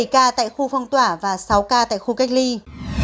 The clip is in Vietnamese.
một mươi ca tại khu phong tỏa và sáu ca tại khu cách ly